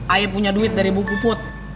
ayo punya duit dari bu buput